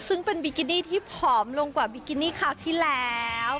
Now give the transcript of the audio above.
ซึ่งเป็นบิกินที่ผอมลงดอกกว่านะครับกว่าทีแล้ว